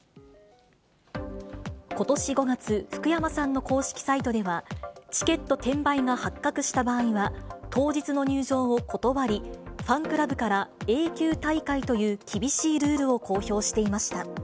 ことし５月、福山さんの公式サイトでは、チケット転売が発覚した場合は、当日の入場を断り、ファンクラブから永久退会という厳しいルールを公表していました。